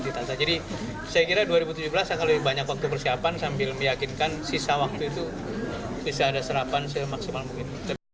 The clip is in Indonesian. jika belum ada yang menjelaskan maka saya akan lebih banyak waktu persiapan sambil meyakinkan sisa waktu itu bisa ada serapan semaksimal mungkin